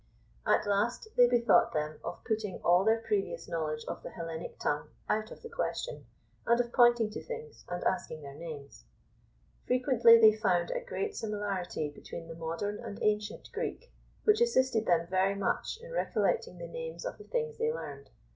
At last they bethought them of putting all their previous knowledge of the Hellenic tongue out of the question, and of pointing to things and asking their names. Frequently they found a great similarity between the modern and ancient Greek, which assisted them very much in recollecting the names of the things they learned.